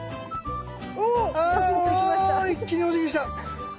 お一気におじぎした。